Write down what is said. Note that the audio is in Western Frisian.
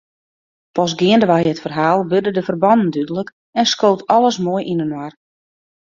Pas geandewei it ferhaal wurde de ferbannen dúdlik en skoot alles moai yninoar.